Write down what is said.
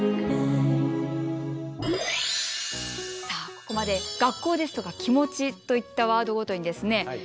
さあここまで「学校」ですとか「気持ち」といったワードごとにですね